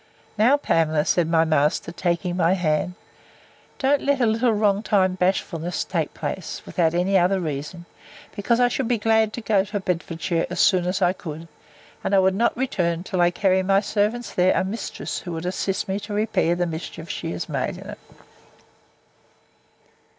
Now, Pamela, said my master, taking my hand, don't let a little wrong timed bashfulness take place, without any other reason, because I should be glad to go to Bedfordshire as soon as I could; and I would not return till I carry my servants there a mistress, who should assist me to repair the mischiefs she has made in it.